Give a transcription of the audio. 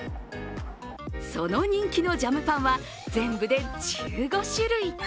その人気のジャムパンは全部で１５種類。